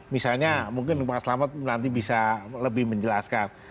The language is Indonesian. misalnya mungkin pak selamat nanti bisa lebih menjelaskan